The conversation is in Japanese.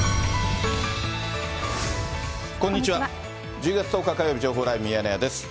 １０月１０日火曜日、情報ライブミヤネ屋です。